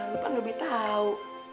ya lu kan lebih tau